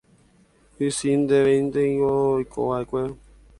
Isy ndiventevoi oikova'ekue.